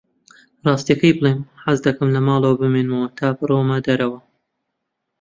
ڕاستییەکەی بڵێم، حەز دەکەم لە ماڵەوە بمێنمەوە تا بڕۆمە دەرەوە.